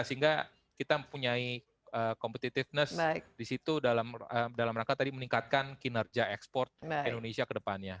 sehingga kita mempunyai competitiveness di situ dalam rangka tadi meningkatkan kinerja ekspor indonesia ke depannya